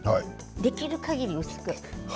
できるかぎり薄く。